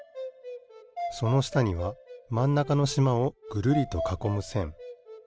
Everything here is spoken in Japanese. そのしたにはまんなかのしまをぐるりとかこむせん。